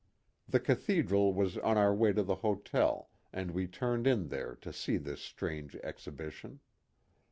The Cathedral was on our way to the hotel and we turned in there to see this strange exhibition.